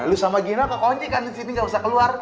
lo sama gina kekunci kan disini gak usah keluar